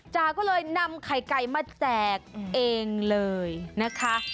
จาก็เลยนำไข่ไก่มาแจกเองเลยนะคะ